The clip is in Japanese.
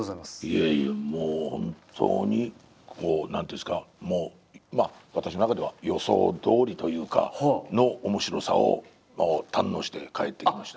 いえいえもう本当に何ていうんですか私の中では予想どおりというかの面白さを堪能して帰ってきました。